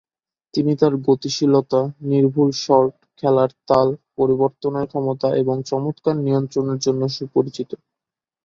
তিনি তার গতিশীলতা, নির্ভুল শট, খেলার তাল পরিবর্তনের ক্ষমতা এবং এবং চমৎকার নিয়ন্ত্রণের জন্য সুপরিচিত।